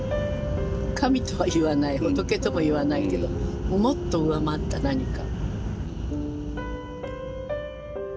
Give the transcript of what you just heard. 神とは言わない仏とも言わないけどもっと上回った何か。